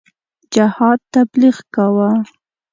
جهاد تبلیغ کاوه.